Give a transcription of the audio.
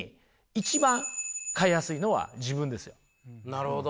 なるほど。